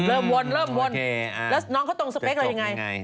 แล้วน้องเขาตรงสเปคอะไรอย่างไร